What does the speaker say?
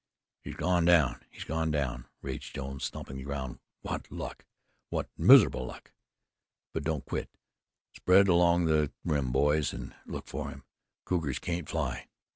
"He's gone down! He's gone down!" raged Jones, stamping the ground. "What luck! What miserable luck! But don't quit; spread along the rim, boys, and look for him. Cougars can't fly.